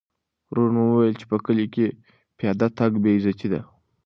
ورور مې وویل چې په کلي کې پیاده تګ بې عزتي ده.